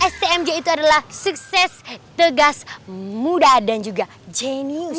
stmj itu adalah sukses tegas muda dan juga jenius